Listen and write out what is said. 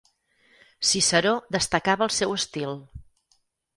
Ciceró destacava el seu estil.